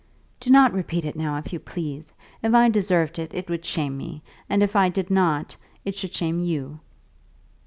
"Do not repeat it now, if you please. If I deserved it, it would shame me; and if I did not, it should shame you."